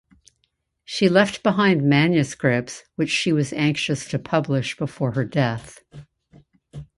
She left behind manuscripts which she was anxious to publish before her death.